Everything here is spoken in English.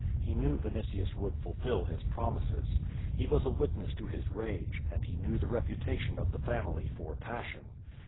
He knew Vinitius would fulfill his promises. He was a wit ness to his rage, and he knew the reputation of tlie family for passion.